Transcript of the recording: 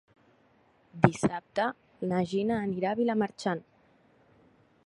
Dissabte na Gina anirà a Vilamarxant.